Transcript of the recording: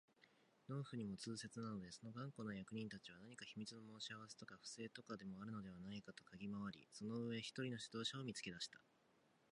農夫にも痛切なので、その頑固な役人たちは何か秘密の申し合せとか不正とかでもあるのではないかとかぎ廻り、その上、一人の指導者を見つけ出した